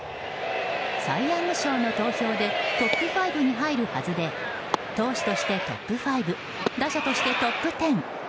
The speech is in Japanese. サイ・ヤング賞の投票でトップ５に入るはずで投手としてトップ５打者としてトップ１０。